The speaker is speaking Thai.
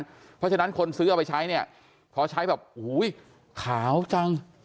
เพราะฉะนั้นคนซื้อเอาไปใช้พอใช้แบบขาวจัง